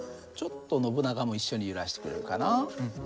ちょっとノブナガも一緒に揺らしてくれるかな。